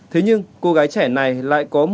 thế nhưng cô gái trẻ này lại có một